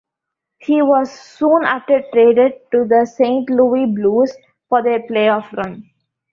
He was soon after traded to the Saint Louis Blues for their playoff run.